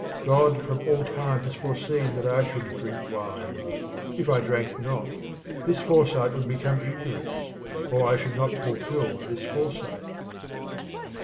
God from all time has foreseen that I should drink wine. If I drank not, this foresight would become ignorance, or I should not fulfil this foresight.